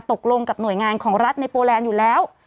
ตกลงกับหน่วยงานของรัฐในโปแลนด์อยู่แล้ว